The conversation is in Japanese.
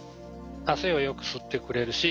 汗をよく吸ってくれるし